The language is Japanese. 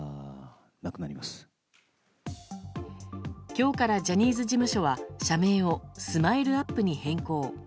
今日から、ジャニーズ事務所は社名をＳＭＩＬＥ‐ＵＰ．に変更。